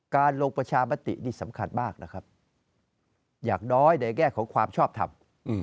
ลงประชามตินี่สำคัญมากนะครับอย่างน้อยในแง่ของความชอบทำ